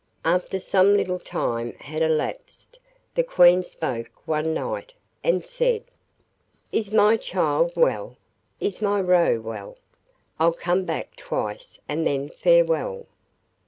After some little time had elapsed the Queen spoke one night, and said: 'Is my child well? Is my Roe well? I'll come back twice and then farewell.